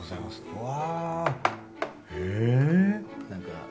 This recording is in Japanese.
うわ！